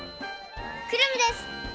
クラムです！